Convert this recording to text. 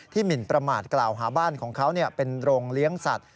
หมินประมาทกล่าวหาบ้านของเขาเป็นโรงเลี้ยงสัตว